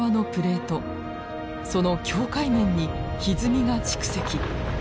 その境界面にひずみが蓄積。